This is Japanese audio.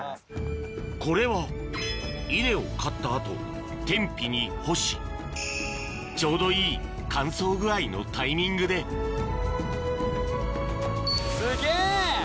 これは稲を刈った後天日に干しちょうどいい乾燥具合のタイミングですげぇ！